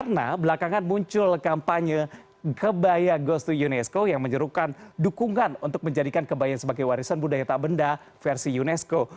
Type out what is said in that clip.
karena belakangan muncul kampanye kebaya goes to unesco yang menyerukan dukungan untuk menjadikan kebaya sebagai warisan budaya tak benda versi unesco